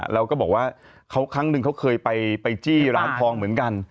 เราก็บอกว่าทองที่เคยไปจี้ล้านพองเหมือนกัน